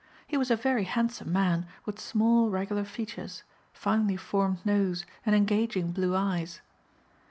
He was a very handsome man with small regular features, finely formed nose and engaging blue eyes.